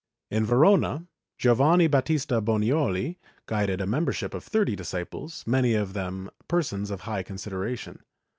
In Verona, Giovanni Battista Bonioli guided a membership of thirty disciples, many of them persons of high consideration.